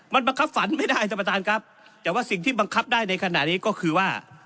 มันบังคับฝันไม่ได้ท่านประธานครับแต่ว่าสิ่งที่บังคับได้ในขณะนี้ก็คือว่า